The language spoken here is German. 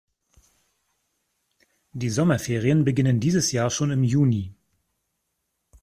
Die Sommerferien beginnen dieses Jahr schon im Juni.